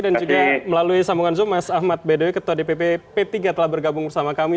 dan juga melalui sambungan zoom mas ahmad bedoye ketua dpp p tiga telah bergabung bersama kami